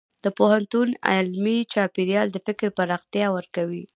د پوهنتون علمي چاپېریال د فکر پراختیا ورکوي.